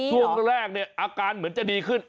ส่วนแรกอาการเหมือนจะดีขึ้น